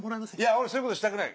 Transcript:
俺そういうことしたくない。